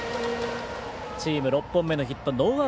チーム６本目のヒット。